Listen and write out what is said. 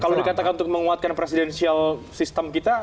kalau dikatakan untuk menguatkan presidensial sistem kita